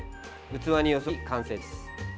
器によそい、完成です。